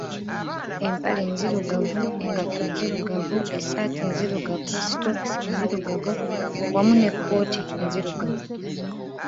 Empale nzirugavu, engatto nzirugavu, essaati nzirugavu, sitookisi nzirugavu wamu n'ekkooti enzirugavu.